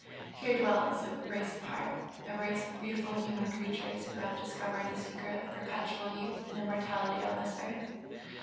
Here dwells a race apart a race of beautiful human creatures who have discovered the secret of perpetual youth and immortality on this earth.